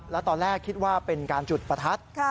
แล้วตอนแรกคิดว่าเป็นการจุดประทัด